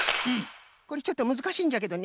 これちょっとむずかしいんじゃけどねえ